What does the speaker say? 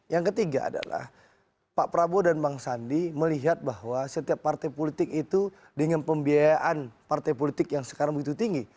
yang ketiga adalah pak prabowo dan bang sandi melihat bahwa setiap partai politik itu dengan pembiayaan partai politik yang sekarang begitu tinggi